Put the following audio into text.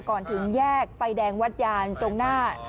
ก่อนถึงแยกไฟแดงวัดยานตรงหน้า